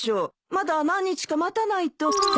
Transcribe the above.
まだ何日か待たないと。